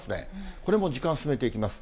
これも時間を進めていきます。